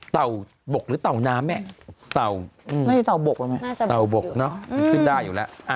เต่าบกหรือเต่าน้ำแม่เต่าไม่ใช่เต่าบกเต่าบกเนอะมันขึ้นได้อยู่แล้ว